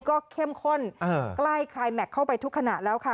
ก็เข้มข้นใกล้คลายแม็กซ์เข้าไปทุกขณะแล้วค่ะ